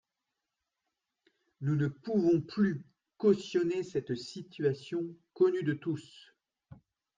Nous ne pouvons plus cautionner cette situation connue de tous.